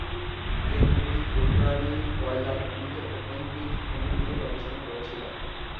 কেন্দ্রটি ফুলবাড়ি কয়লা খনিতে ওপেন-পিট খনি নিয়ে গবেষণা করেছিল।